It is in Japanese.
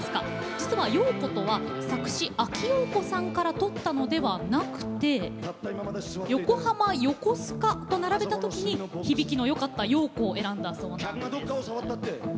実は「ヨーコ」とは作詞・阿木燿子さんからとったのではなく「ヨコハマ・ヨコスカ」と並べたときに響きのよかった「ヨーコ」を選んだそうなんです。